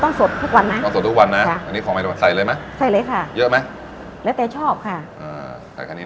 ต้องส่วนทุกวันนะใช่